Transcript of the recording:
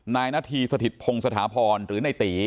นายณฑีสถิตพงศ์สถาพรหรือนายตี